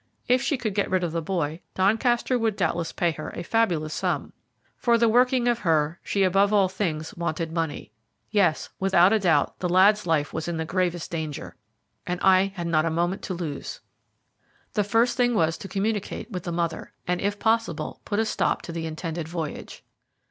If she could get rid of the boy, Doncaster would doubtless pay her a fabulous sum. For the working of her she above all things wanted money. Yes, without doubt the lad's life was in the gravest danger, and I had not a moment to lose. The first thing was to communicate with the mother, and if possible put a stop to the intended voyage.